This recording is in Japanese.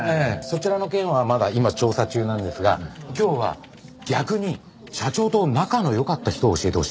そちらの件はまだ今調査中なんですが今日は逆に社長と仲の良かった人を教えてほしいんですよ。